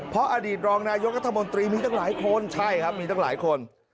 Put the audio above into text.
เพราะอดีตรองนายกรัฐมนตรีมีตั้งหลายคนใช่ครับมีตั้งหลายคน